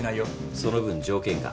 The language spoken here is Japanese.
その分条件が。